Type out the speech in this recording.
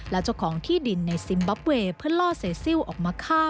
และเจ้าของที่ดินในซิมบับเวย์เพื่อล่อเซซิลออกมาฆ่า